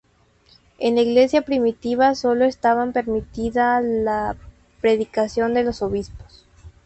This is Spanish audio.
En la iglesia primitiva sólo estaba permitida la predicación de los obispos.